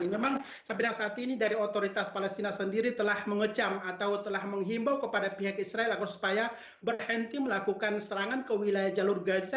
memang sampai dengan saat ini dari otoritas palestina sendiri telah mengecam atau telah menghimbau kepada pihak israel agar supaya berhenti melakukan serangan ke wilayah jalur gaza